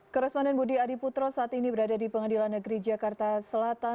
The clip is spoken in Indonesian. korresponden budi adiputro saat ini berada di pengadilan negeri jakarta selatan